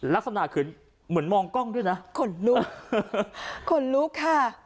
ลักษณะคือเหมือนมองกล้องด้วยนะขนลุกขนลุกค่ะ